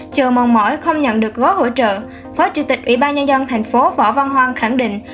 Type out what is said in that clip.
chờ mòn mỏi không nhận được gói hỗ trợ phó chủ tịch ubnd tp võ văn hoan khẳng định